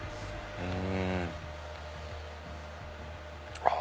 うん！